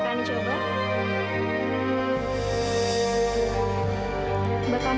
kamu mau tahu kan